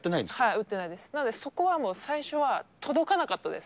打ってないです、そこは最初は届かなかったです。